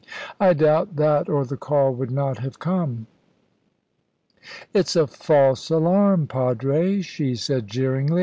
"I doubt that, or the call would not have come." "It's a false alarm, padre," she said jeeringly.